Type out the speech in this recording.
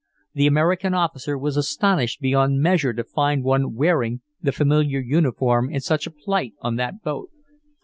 The American officer was astonished beyond measure to find one wearing the familiar uniform in such a plight on that boat.